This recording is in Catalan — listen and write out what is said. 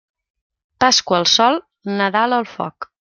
Pasqua al sol, Nadal al foc.